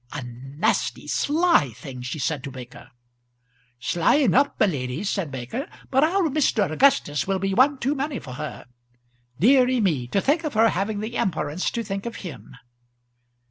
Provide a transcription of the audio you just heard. "A nasty, sly thing," she said to Baker. "Sly enough, my lady," said Baker; "but our Mr. Augustus will be one too many for her. Deary me, to think of her having the imperance to think of him."